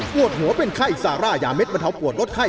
ปวดหัวเป็นไข้ซาร่ายาเด็ดบรรเทาปวดลดไข้